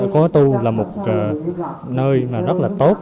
cố tu là một nơi rất là tốt